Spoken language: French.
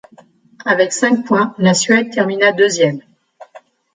Avec cinq points, la Suède termina deuxième.